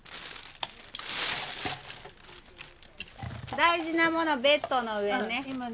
大事なものベッドの上ね。